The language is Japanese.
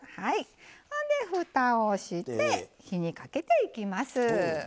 ほんでふたをして火にかけていきます。